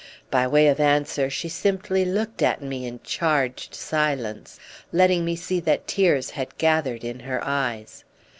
By way of answer she simply looked at me in charged silence, letting me see that tears had gathered in her eyes.